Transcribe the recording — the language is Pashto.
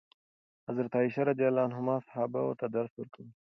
حضرت عایشه رضي الله عنها صحابه ته درس ورکول.